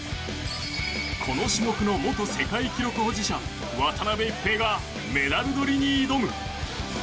この種目の元世界記録保持者渡辺一平がメダルどりに挑む！